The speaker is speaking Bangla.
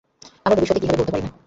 আমরা ভবিষ্যতে কি হবে বলতে পারি না।